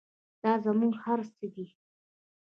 دا زموږ هر څه دی؟